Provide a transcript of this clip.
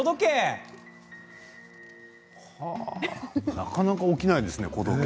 なかなか起きないですね子時計。